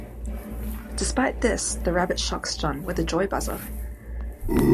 Despite this, the rabbit shocks John with a joy buzzer.